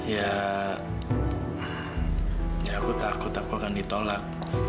ya aku takut aku akan ditolak